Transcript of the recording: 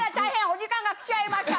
お時間が来ちゃいました！